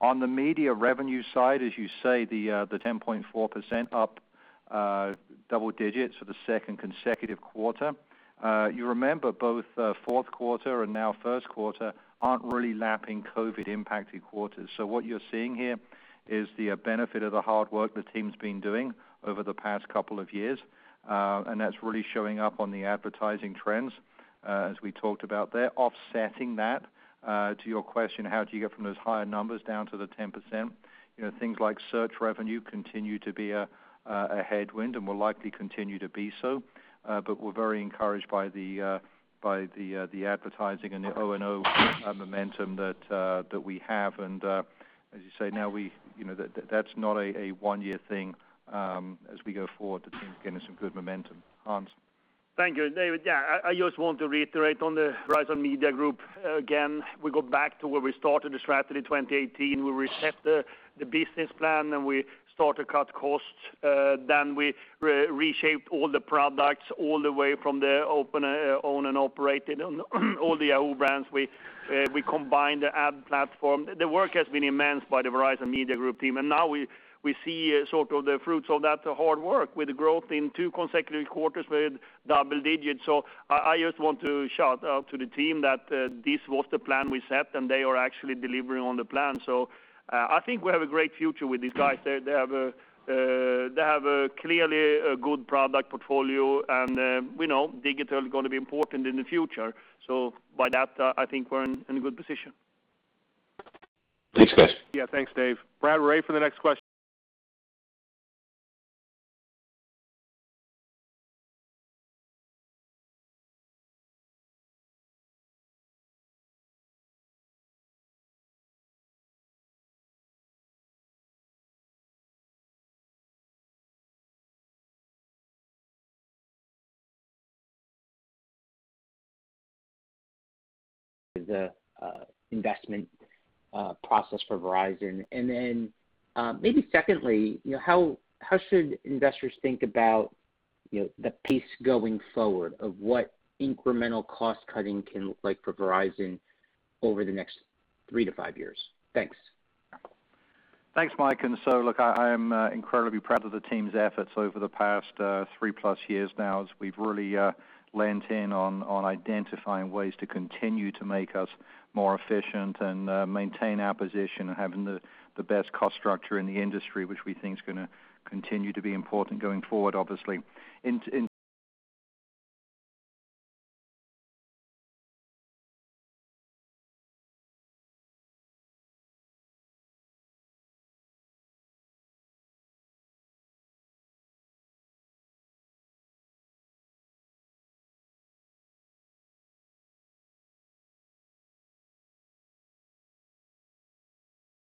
On the media revenue side, as you say, the 10.4% up, double digits for the second consecutive quarter. You remember both fourth quarter and now first quarter aren't really lapping COVID-impacted quarters. What you're seeing here is the benefit of the hard work the team's been doing over the past couple of years, and that's really showing up on the advertising trends, as we talked about there. Offsetting that, to your question, how do you get from those higher numbers down to the 10%? Things like search revenue continue to be a headwind and will likely continue to be so. We're very encouraged by the advertising and the O&O momentum that we have and, as you say, now that's not a one-year thing as we go forward. The team's getting some good momentum. Hans? Thank you, David. I just want to reiterate on the Verizon Media Group again. We go back to where we started the strategy 2018. We reset the business plan, and we start to cut costs. We reshaped all the products all the way from the own and operated on all the old brands. We combined the ad platform. The work has been immense by the Verizon Media Group team. Now we see the fruits of that hard work with growth in two consecutive quarters with double digits. I just want to shout out to the team that this was the plan we set, and they are actually delivering on the plan. I think we have a great future with these guys. They have a clearly good product portfolio, and we know digital is going to be important in the future. By that, I think we're in a good position. Thanks, guys. Yeah, thanks, Dave. Brad, ready for the next question. The investment process for Verizon. Maybe secondly, how should investors think about the pace going forward of what incremental cost-cutting can look like for Verizon over the next three to five years? Thanks. Thanks, Mike. Look, I am incredibly proud of the team's efforts over the past three plus years now, as we've really leaned in on identifying ways to continue to make us more efficient and maintain our position of having the best cost structure in the industry, which we think is going to continue to be important going forward, obviously.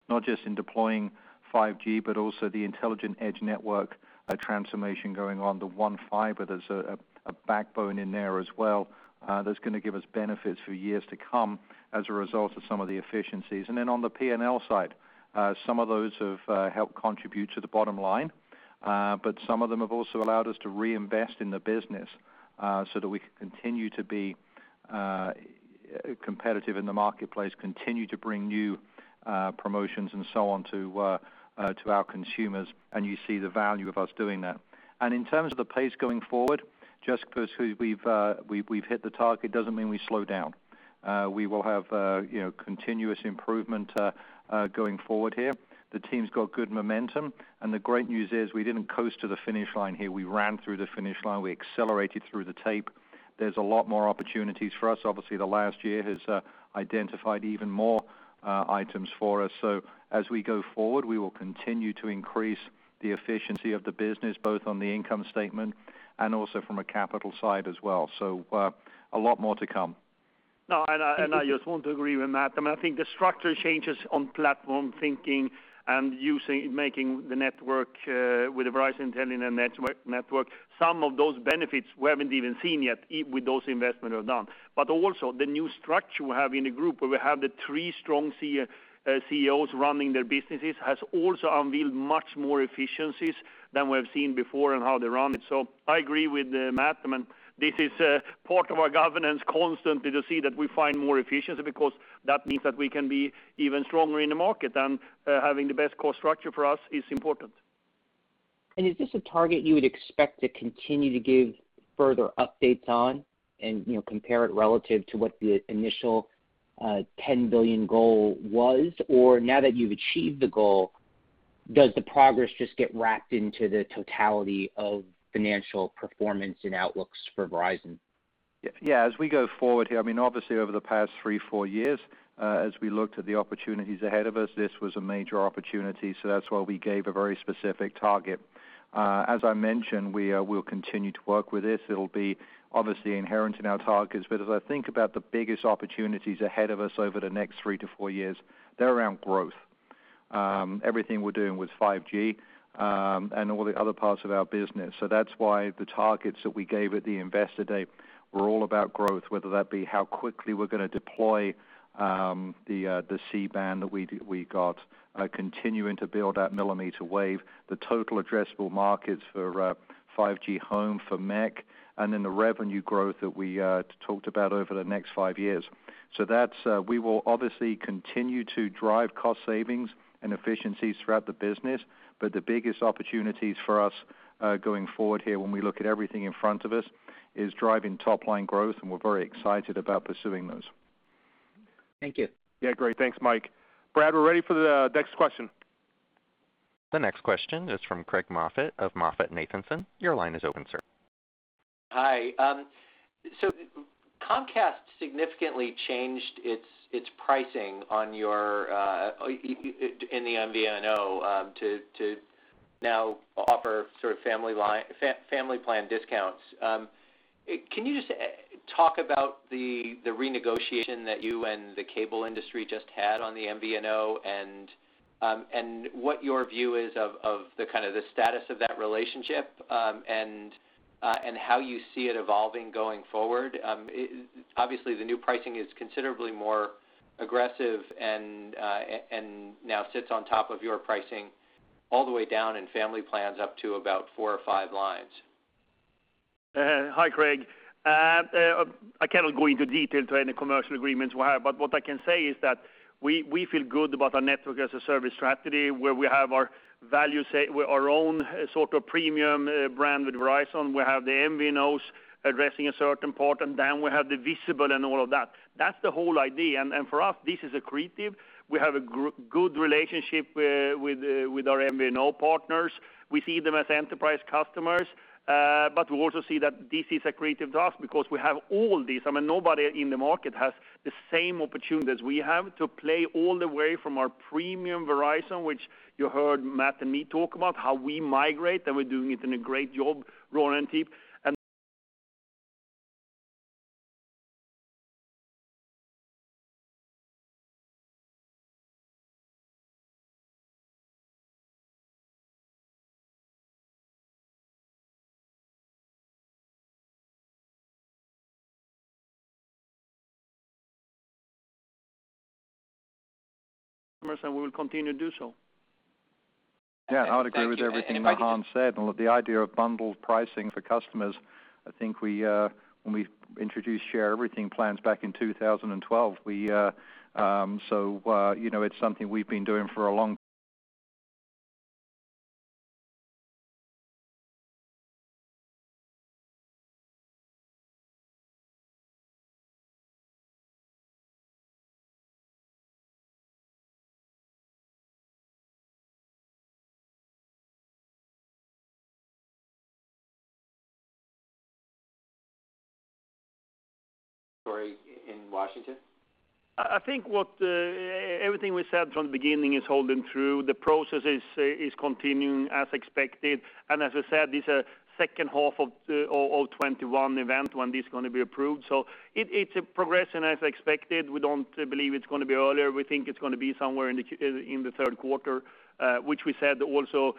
Not just in deploying 5G, but also the Intelligent Edge Network transformation going on, the One Fiber, there's a backbone in there as well that's going to give us benefits for years to come as a result of some of the efficiencies. On the P&L side, some of those have helped contribute to the bottom line, but some of them have also allowed us to reinvest in the business so that we can continue to be competitive in the marketplace, continue to bring new promotions and so on to our consumers, and you see the value of us doing that. In terms of the pace going forward, just because we've hit the target doesn't mean we slow down. We will have continuous improvement going forward here. The team's got good momentum, and the great news is we didn't coast to the finish line here. We ran through the finish line. We accelerated through the tape. There's a lot more opportunities for us. Obviously, the last year has identified even more items for us. As we go forward, we will continue to increase the efficiency of the business, both on the income statement and also from a capital side as well. A lot more to come. I just want to agree with Matt. I think the structure changes on platform thinking and making the network with the Verizon Intelligent Edge Network, some of those benefits we haven't even seen yet with those investments we've done. Also, the new structure we have in the group, where we have the three strong CEOs running their businesses, has also unveiled much more efficiencies than we have seen before in how they run it. I agree with Matt, and this is part of our governance constantly to see that we find more efficiency, because that means that we can be even stronger in the market, and having the best cost structure for us is important. Is this a target you would expect to continue to give further updates on and compare it relative to what the initial $10 billion goal was? Now that you've achieved the goal, does the progress just get wrapped into the totality of financial performance and outlooks for Verizon? As we go forward here, obviously over the past three, four years, as we looked at the opportunities ahead of us, this was a major opportunity. That's why we gave a very specific target. As I mentioned, we'll continue to work with this. It'll be obviously inherent in our targets. As I think about the biggest opportunities ahead of us over the next three to four years, they're around growth. Everything we're doing with 5G, and all the other parts of our business. That's why the targets that we gave at the Investor Day were all about growth, whether that be how quickly we're going to deploy the C-band that we got, continuing to build out millimeter wave, the total addressable markets for 5G Home for MEC, and then the revenue growth that we talked about over the next five years. We will obviously continue to drive cost savings and efficiencies throughout the business, but the biggest opportunities for us going forward here when we look at everything in front of us, is driving top-line growth, and we're very excited about pursuing those. Thank you. Yeah, great. Thanks, Mike. Brad, we're ready for the next question. The next question is from Craig Moffett of MoffettNathanson. Your line is open, sir. Hi. Comcast significantly changed its pricing in the MVNO to now offer family plan discounts. Can you just talk about the renegotiation that you and the cable industry just had on the MVNO, and what your view is of the status of that relationship, and how you see it evolving going forward? Obviously, the new pricing is considerably more aggressive and now sits on top of your pricing all the way down in family plans up to about four or five lines. Hi, Craig. I cannot go into detail to any commercial agreements we have, but what I can say is that we feel good about our network-as-a-service strategy, where we have our own sort of premium brand with Verizon. We have the MVNOs addressing a certain part, and then we have the Visible and all of that. That's the whole idea. For us, this is accretive. We have a good relationship with our MVNO partners. We see them as enterprise customers. We also see that this is accretive to us because we have all this. I mean, nobody in the market has the same opportunities we have to play all the way from our premium Verizon, which you heard Matt and me talk about, how we migrate, and we're doing it in a great job, Ronan and team. And we will continue to do so. I would agree with everything that Hans said. The idea of bundled pricing for customers, I think when we introduced Share Everything Plans back in 2012. It's something we've been doing for a long. Sorry, in Washington? I think everything we said from the beginning is holding true. The process is continuing as expected. As I said, this is a second half of 2021 event when this is going to be approved. It's progressing as expected. We don't believe it's going to be earlier. We think it's going to be somewhere in the third quarter, which we said also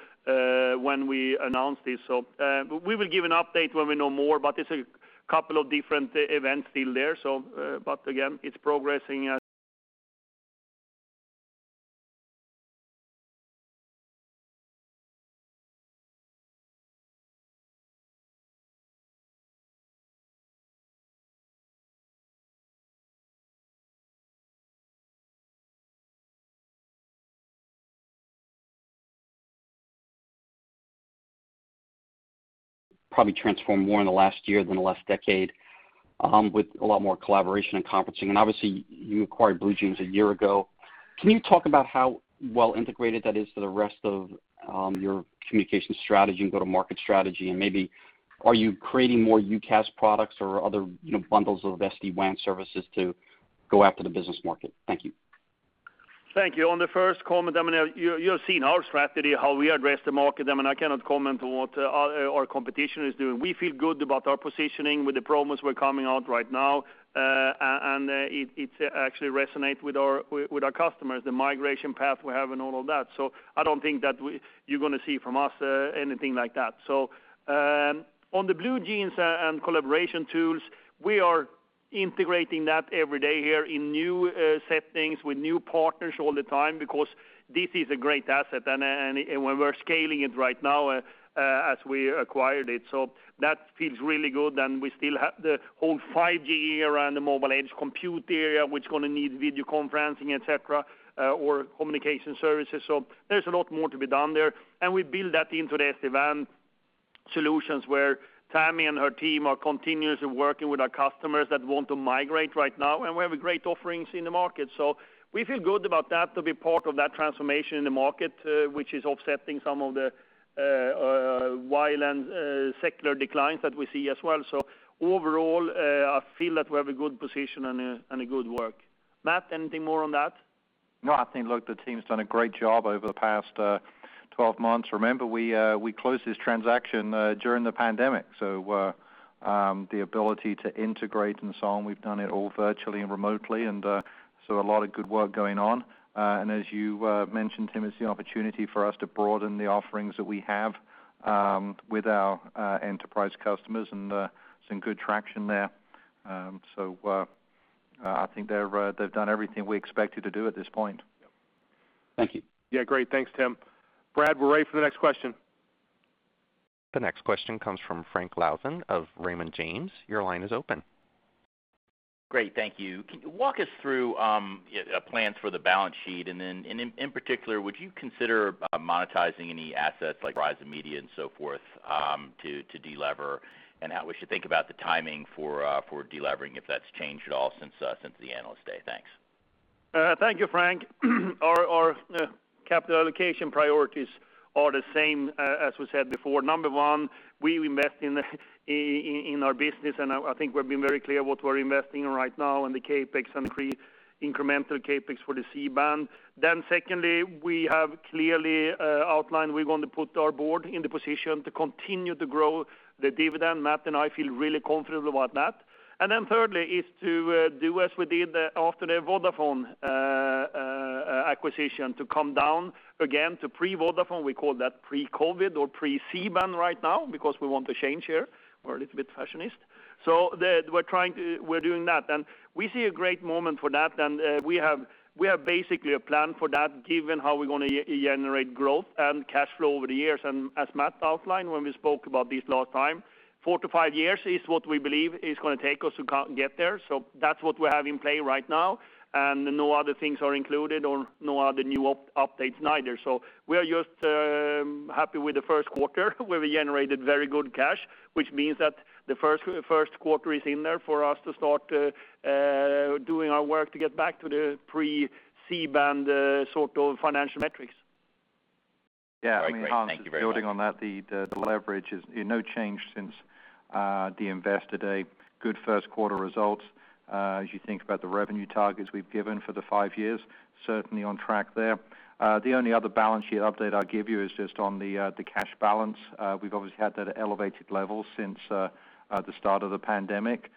when we announced this. We will give an update when we know more, but it's a couple of different events still there. Again, it's progressing. Probably transformed more in the last year than the last decade, with a lot more collaboration and conferencing. Obviously, you acquired BlueJeans a year ago. Can you talk about how well-integrated that is to the rest of your communication strategy and go-to-market strategy? Maybe, are you creating more UCaaS products or other bundles of SD-WAN services to go after the business market? Thank you. Thank you. On the first comment, you have seen our strategy, how we address the market. I cannot comment on what our competition is doing. We feel good about our positioning with the promise we're coming out right now, and it actually resonates with our customers, the migration path we have and all of that. I don't think that you're going to see from us anything like that. On the BlueJeans and collaboration tools, we are integrating that every day here in new settings with new partners all the time because this is a great asset, and we're scaling it right now as we acquired it. That feels really good, and we still have the whole 5G around the Mobile Edge Compute area, which is going to need video conferencing, et cetera, or communication services. There's a lot more to be done there. We build that into the SD-WAN solutions, where Tami and her team are continuously working with our customers that want to migrate right now, and we have great offerings in the market. We feel good about that, to be part of that transformation in the market, which is offsetting some of the wireline secular declines that we see as well. Overall, I feel that we have a good position and good work. Matt, anything more on that? No, I think, look, the team's done a great job over the past 12 months. Remember, we closed this transaction during the pandemic. The ability to integrate and so on, we've done it all virtually and remotely. A lot of good work going on. As you mentioned, Tim, it's the opportunity for us to broaden the offerings that we have with our enterprise customers, and some good traction there. I think they've done everything we expected to do at this point. Thank you. Yeah, great. Thanks, Tim. Brad, we're ready for the next question. The next question comes from Frank Louthan of Raymond James. Your line is open. Great. Thank you. Can you walk us through plans for the balance sheet, in particular, would you consider monetizing any assets like Verizon Media and so forth to de-lever? How we should think about the timing for de-levering, if that's changed at all since the Analyst Day. Thanks. Thank you, Frank. Our capital allocation priorities are the same as we said before. Number one, we invest in our business, and I think we've been very clear what we're investing in right now in the CapEx and pre-incremental CapEx for the C-band. Secondly, we have clearly outlined we're going to put our board in the position to continue to grow the dividend. Matt and I feel really confident about that. Thirdly is to do as we did after the Vodafone acquisition, to come down again to pre-Vodafone. We call that pre-COVID or pre-C-band right now because we want a change here. We're a little bit fashionist. We're doing that, and we see a great moment for that. We have basically a plan for that, given how we're going to generate growth and cash flow over the years. As Matt outlined when we spoke about this last time, four to five years is what we believe is going to take us to get there. That's what we have in play right now, and no other things are included or no other new updates neither. We are just happy with the first quarter, where we generated very good cash, which means that the first quarter is in there for us to start doing our work to get back to the pre-C-band sort of financial metrics. Great. Thank you very much. Yeah, Hans, building on that, the leverage in no change since the Investor Day. Good first quarter results. As you think about the revenue targets we've given for the five years, certainly on track there. The only other balance sheet update I give you is just on the cash balance we've always had that elevated level since the start of the pandemic.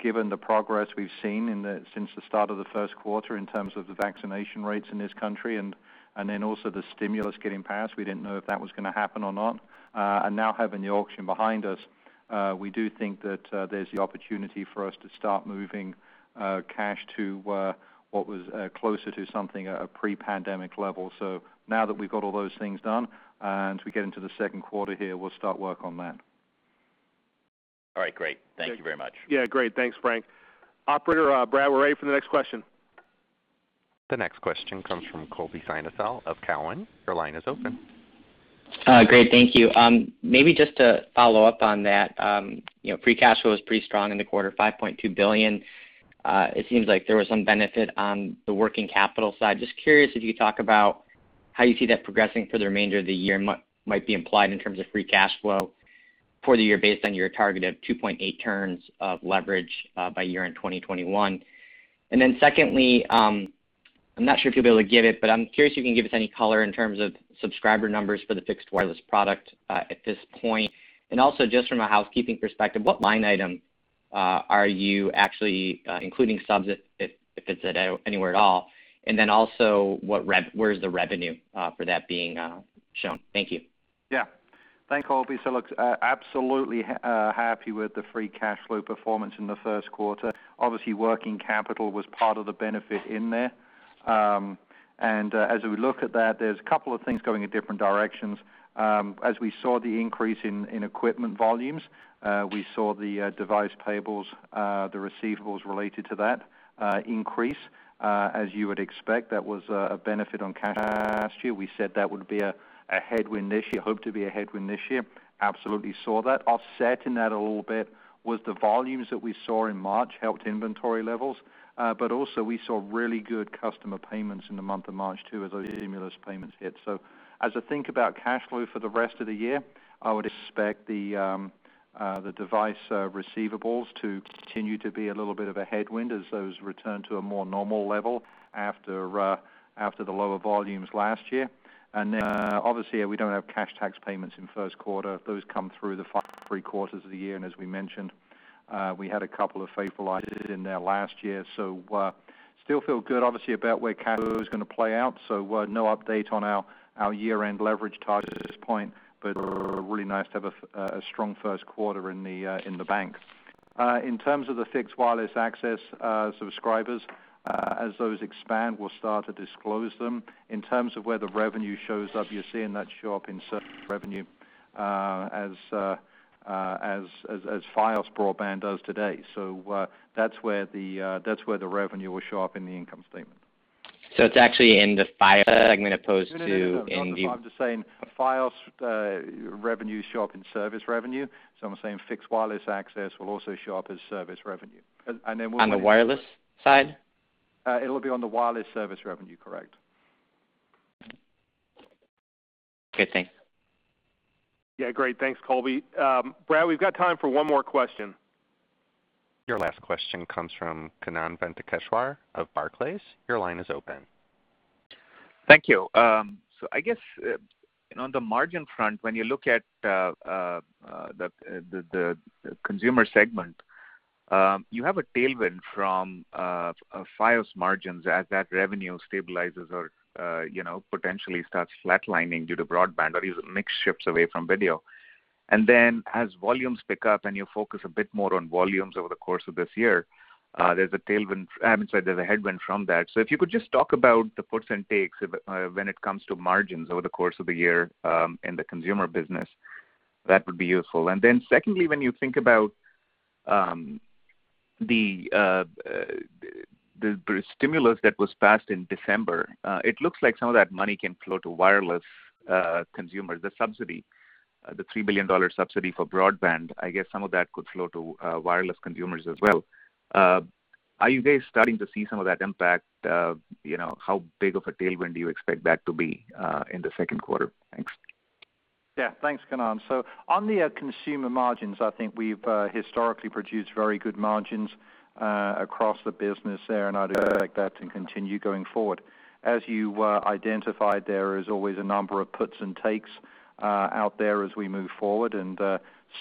Given the progress we've seen since the start of the first quarter in terms of the vaccination rate in this country and also the stimulus getting pass, we didn't know if its gonna happen or not, are now have many option behind us. We do think there's opportunity for us to start moving cash to what was close to something pre-pandemic level, so now that we got all things done, we're getting to the second quarter here and we're start working on that. Alright great thank you very much Yeah, great. Thanks, Frank. Operator, Brad, we're ready for the next question. The next question comes from Colby Synesael of Cowen. Your line is open. Great, thank you. Maybe just to follow up on that. Free cash flow was pretty strong in the quarter, $5.2 billion. It seems like there was some benefit on the working capital side. Just curious if you could talk about how you see that progressing for the remainder of the year and what might be implied in terms of free cash flow for the year based on your target of 2.8x of leverage by year-end 2021. Secondly, I'm not sure if you'll be able to give it, but I'm curious if you can give us any color in terms of subscriber numbers for the fixed wireless product at this point. Also, just from a housekeeping perspective, what line item are you actually including subs if it's anywhere at all? Also, where is the revenue for that being shown? Thank you. Yeah. Thanks, Colby. Absolutely happy with the free cash flow performance in the first quarter. Obviously, working capital was part of the benefit in there. As we look at that, there's a couple of things going in different directions. As we saw the increase in equipment volumes, we saw the device payables, the receivables related to that increase. As you would expect, that was a benefit on cash last year. We said that would be a headwind this year, hope to be a headwind this year. Absolutely saw that. Offsetting that a little bit was the volumes that we saw in March helped inventory levels. Also, we saw really good customer payments in the month of March, too, as those stimulus payments hit. As I think about cash flow for the rest of the year, I would expect the device receivables to continue to be a little bit of a headwind as those return to a more normal level after the lower volumes last year. Obviously, we don't have cash tax payments in first quarter. Those come through the three quarters of the year, and as we mentioned, we had a couple of favorable items in there last year. Still feel good, obviously, about where cash flow is going to play out. No update on our year-end leverage targets at this point, but really nice to have a strong first quarter in the bank. In terms of the fixed wireless access subscribers, as those expand, we'll start to disclose them. In terms of where the revenue shows up, you're seeing that show up in service revenue as Fios broadband does today. That's where the revenue will show up in the income statement. It's actually in the Fios segment opposed to in the. No, I'm just saying Fios revenue show up in service revenue. I'm saying fixed wireless access will also show up as service revenue. On the wireless side? It'll be on the wireless service revenue, correct? Okay, thanks. Great. Thanks, Colby. Brad, we've got time for one more question. Your last question comes from Kannan Venkateshwar of Barclays. Your line is open. Thank you. I guess on the margin front, when you look at the consumer segment, you have a tailwind from Fios margins as that revenue stabilizes or potentially starts flatlining due to broadband or these mixed shifts away from video. As volumes pick up and you focus a bit more on volumes over the course of this year, there's a headwind from that. If you could just talk about the puts and takes when it comes to margins over the course of the year in the consumer business, that would be useful. Secondly, when you think about the stimulus that was passed in December, it looks like some of that money can flow to wireless consumers, the subsidy, the $3 billion subsidy for broadband. I guess some of that could flow to wireless consumers as well. Are you guys starting to see some of that impact? How big of a tailwind do you expect that to be in the second quarter? Thanks. Yeah. Thanks, Kannan. On the consumer margins, I think we've historically produced very good margins across the business there, and I'd expect that to continue going forward. As you identified, there is always a number of puts and takes out there as we move forward, and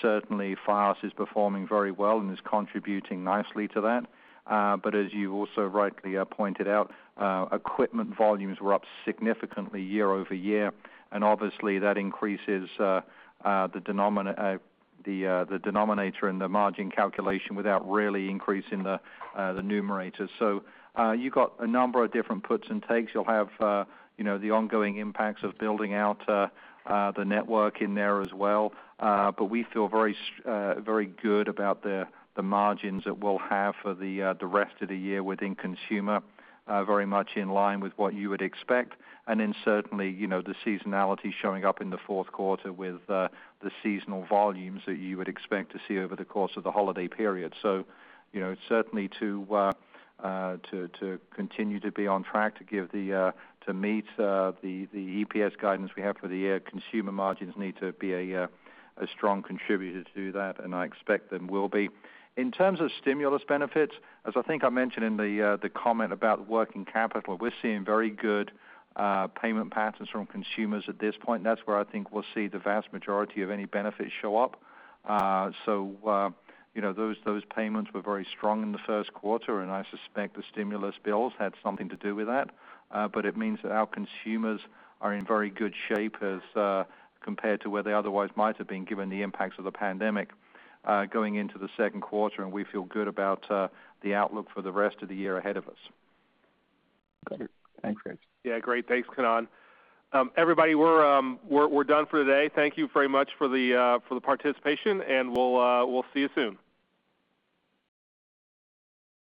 certainly Fios is performing very well and is contributing nicely to that. As you also rightly pointed out, equipment volumes were up significantly year-over-year, and obviously that increases the denominator in the margin calculation without really increasing the numerator. You got a number of different puts and takes. You'll have the ongoing impacts of building out the network in there as well. We feel very good about the margins that we'll have for the rest of the year within consumer, very much in line with what you would expect. Certainly, the seasonality showing up in the fourth quarter with the seasonal volumes that you would expect to see over the course of the holiday period. Certainly, to continue to be on track to meet the EPS guidance we have for the year, consumer margins need to be a strong contributor to that, and I expect them will be. In terms of stimulus benefits, as I think I mentioned in the comment about working capital, we're seeing very good payment patterns from consumers at this point. That's where I think we'll see the vast majority of any benefits show up. Those payments were very strong in the first quarter, and I suspect the stimulus bills had something to do with that. It means that our consumers are in very good shape as compared to where they otherwise might have been, given the impacts of the pandemic going into the second quarter, and we feel good about the outlook for the rest of the year ahead of us. Got it. Thanks. Yeah, great. Thanks, Kannan. Everybody, we're done for today. Thank you very much for the participation, and we'll see you soon.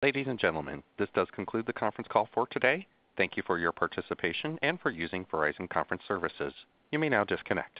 Ladies and gentlemen, this does conclude the conference call for today. Thank you for your participation and for using Verizon Conference Services. You may now disconnect.